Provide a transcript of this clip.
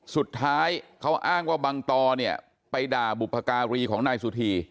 สุดท้ายเขาอ้างว่าบังตอเนี่ยไปด่าบุพการีของนายสุธี